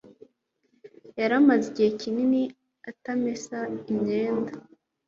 yari amaze igihe kinini atamesa imyenda,